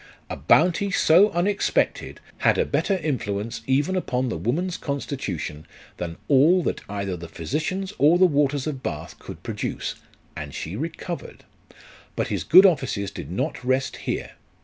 A bounty so unexpected, had a LIFE OF RICHARD NASH. 79 better influence even upon the woman's constitution than all that either the physicians or the waters of Bath could produce, and she recovered. But his good offices did not rest here.